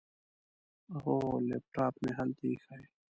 هو، لیپټاپ مې هلته ایښی.